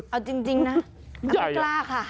เอาจริงนะไม่กล้าค่ะ